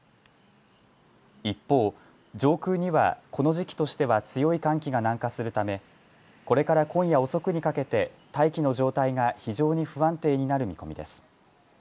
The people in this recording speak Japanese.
一方、上空にはこの時期としては強い寒気が南下するためこれから今夜遅くにかけて大気の状態が非常に不安定になる見込みです。